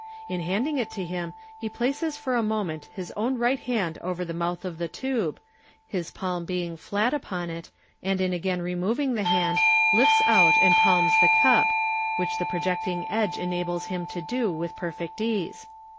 In handing it to him, he places for a moment his own right hand over the mouth of the tube, his palm being flat upon it, and in a rain removing the hand lifts out and palms the cup (which the pro y cting edge tnabies him to do with perfect ease).